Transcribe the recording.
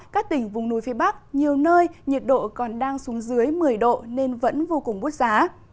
các tỉnh vùng núi phía bắc nhiều nơi nhiệt độ còn đang xuống dưới một mươi độ nên vẫn vô cùng bút giá